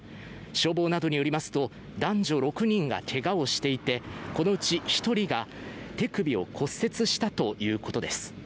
消防などによりますと男女６人がけがをしていてこのうち１人が手首を骨折したということです。